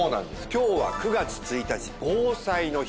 今日は９月１日防災の日。